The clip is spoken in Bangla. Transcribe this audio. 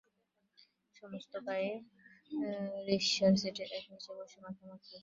সমস্ত গায়ে, রিকশার সিটে এবং নিচে রসে মাখামাখি।